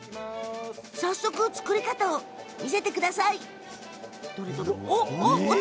早速、作り方を見せてください。